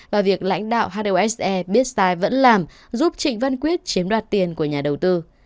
và việc lãnh đạo hose biết sai vẫn làm giúp trịnh văn quyết chiếm đoạt tiền của nhà đầu tư